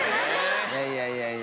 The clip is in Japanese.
いやいやいやいや。